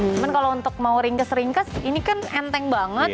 cuman kalau untuk mau ringkas ringkas ini kan enteng banget